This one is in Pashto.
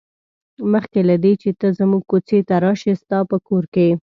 مخکې له دې چې ته زموږ کوڅې ته راشې ستا په کور کې.